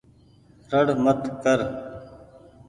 رڙ مت ڪر ۔